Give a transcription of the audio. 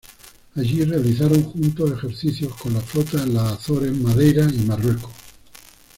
Allí realizaron juntos ejercicios con la flota en las Azores, Madeira y Marruecos.